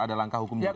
ada langkah hukum juga